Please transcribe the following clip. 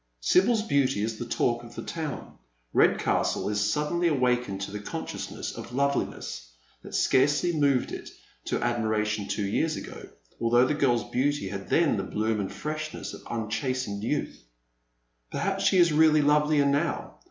Sibyl's beauty is the talk of the town. Redcastle is suddenly awakened to the consciousness of loveliness that scarcely moved it to admiration two years ago, although the girl's beauty had then the bloom and freshness of unchastened youth. Perhapa she is really lovelier now.